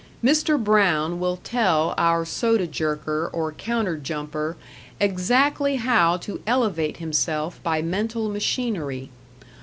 Mr. Brown will tell our soda jerker or counter jumper exactly how to elevate himself by mental machinery.